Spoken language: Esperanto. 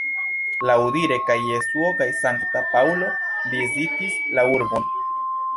Laŭdire kaj Jesuo kaj Sankta Paŭlo vizitis la urbon.